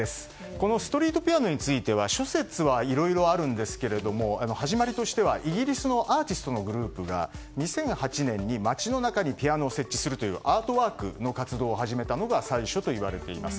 このストリートピアノについては諸説はいろいろあるんですが始まりとしてはイギリスのアーティストのグループが２００８年に街の中にピアノを設置するというアートワークの活動を始めたのが最初といわれています。